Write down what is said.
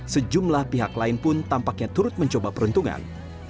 sejumlah pihak lain pun tampaknya turut mencoba peruntungan